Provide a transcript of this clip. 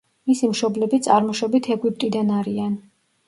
მისი მშობლები წარმოშობით ეგვიპტიდან არიან.